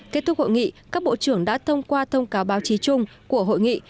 kết thúc hội nghị các bộ trưởng đã thông qua thông cáo báo chí chung của hội nghị